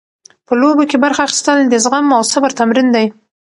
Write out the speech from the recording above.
په لوبو کې برخه اخیستل د زغم او صبر تمرین دی.